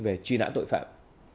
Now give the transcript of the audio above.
về truy nãn tội phạm